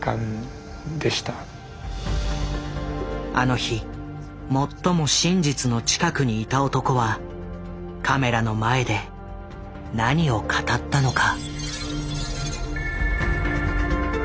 あの日最も真実の近くにいた男はカメラの前で何を語ったのか？